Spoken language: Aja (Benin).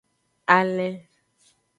Alen.